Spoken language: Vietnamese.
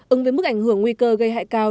ứng với mức ảnh hưởng nguy cơ gây hại cao